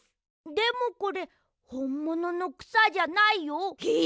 でもこれほんもののくさじゃないよ？え！？